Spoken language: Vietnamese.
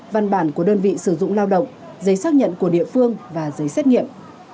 văn bản của đơn vị sử dụng lao động giấy xác nhận của địa phương và giấy xét nghiệm